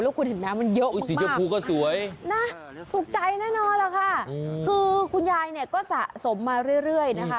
แล้วคุณเห็นน้ำมันเยอะมากนะถูกใจแน่นอนหรอกค่ะคือคุณยายเนี่ยก็สะสมมาเรื่อยนะคะ